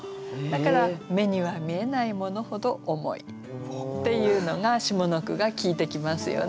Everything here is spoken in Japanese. だから「目には見えないものほど重い」っていうのが下の句が効いてきますよね。